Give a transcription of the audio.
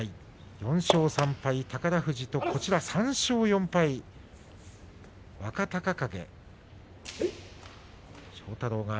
４勝３敗、宝富士と３勝４敗の若隆景。